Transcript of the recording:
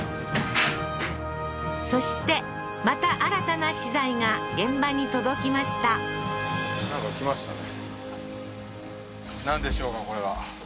そしてまた新たな資材が現場に届きましたなんか来ましたね